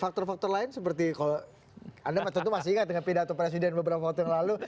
faktor faktor lain seperti kalau anda tentu masih ingat dengan pidato presiden beberapa waktu yang lalu